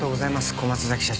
小松崎社長。